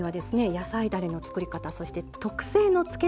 野菜だれの作り方そして特製のつけ